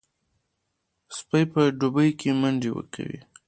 سپي په دوبي کې منډې کوي.